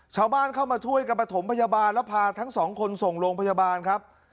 ชาวบ้านเข้ามาช่วยกันประถมพยาบาลแล้วพาทั้งสองคนส่งโรงพยาบาลครับ